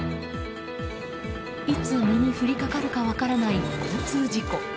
いつ身に降りかかるか分からない交通事故。